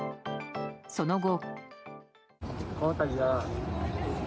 その後。